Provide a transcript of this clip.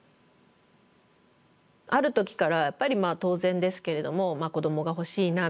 ある時からやっぱり当然ですけれども子どもが欲しいなっていう。